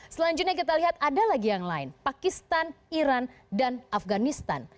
selanjutnya kita lihat ada lagi yang lain pakistan iran dan afganistan